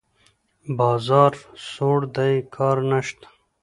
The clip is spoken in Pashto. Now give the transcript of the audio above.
بازار سوړ دی؛ کار نشته.